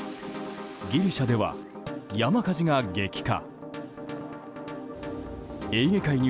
ギリシャでは山火事が激化。